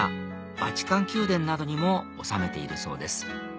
バチカン宮殿などにも納めているそうです